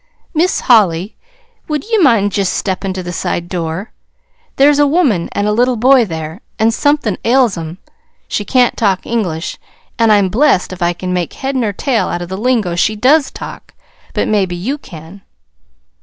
"Mis' Holly, would ye mind just steppin' to the side door? There's a woman an' a little boy there, an' somethin' ails 'em. She can't talk English, an' I'm blest if I can make head nor tail out of the lingo she DOES talk. But maybe you can."